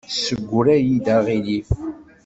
Tessegra-yi-d aɣilif.